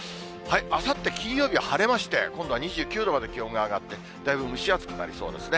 あさって金曜日は晴れまして、今度は２９度まで気温が上がって、だいぶ蒸し暑くなりそうですね。